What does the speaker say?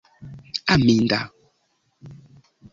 aminda